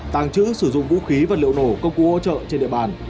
tàng trữ sử dụng vũ khí vật liệu nổ công cụ hỗ trợ trên địa bàn